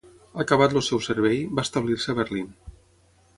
Acabat el seu servei, va establir-se a Berlín.